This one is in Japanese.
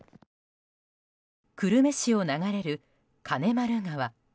久留米市を流れる金丸川。